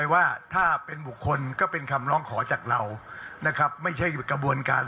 สำหรับสอบทอมเกียจ